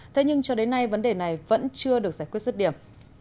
thế nhưng cho đến nay vấn đề này vẫn chưa được giải quyết rứt điểm